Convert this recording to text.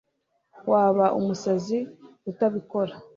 waba umusazi utabikora